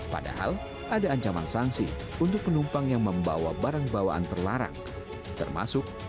padahal ada ancaman sanksi untuk penumpang yang membawa barang bawaan terlarang termasuk